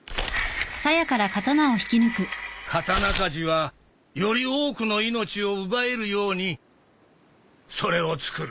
刀鍛冶はより多くの命を奪えるようにそれを作る